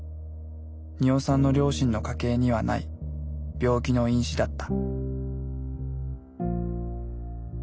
鳰さんの両親の家系にはない病気の因子だった。